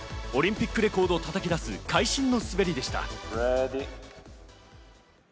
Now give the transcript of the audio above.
オリンピックレコードをたたき出す、会心の滑りでした。